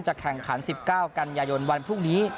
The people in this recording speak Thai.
แข่งขัน๑๙กันยายนวันพรุ่งนี้